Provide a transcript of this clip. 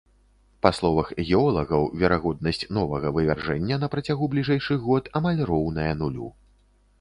Па словах геолагаў, верагоднасць новага вывяржэння на працягу бліжэйшых год амаль роўная нулю.